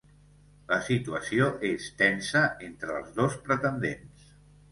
La situació és tensa entre els dos pretendents.